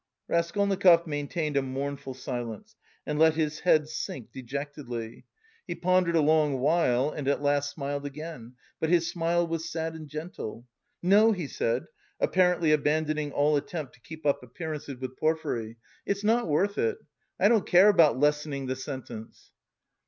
Raskolnikov maintained a mournful silence and let his head sink dejectedly. He pondered a long while and at last smiled again, but his smile was sad and gentle. "No!" he said, apparently abandoning all attempt to keep up appearances with Porfiry, "it's not worth it, I don't care about lessening the sentence!"